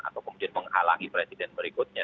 atau kemudian menghalangi presiden berikutnya